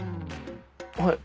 はい。